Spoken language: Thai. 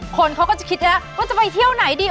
คนเขาก็จะคิดแล้วว่าจะไปเที่ยวไหนดี